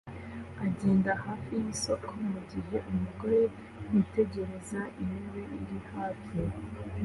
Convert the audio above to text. agenda hafi yisoko mugihe umugore yitegereza intebe iri hafi